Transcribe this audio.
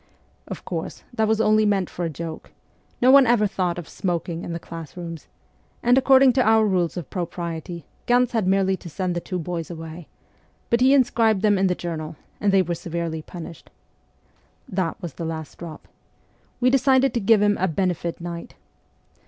Of course, that was only meant fora joke no one ever thought of smoking in the class rooms and, according to our rules of propriety, Ganz had merely to send the two boys away ; but he inscribed them in the journal, and they were severely punished. That was the last drop. We decided to give him a ' benefit night.'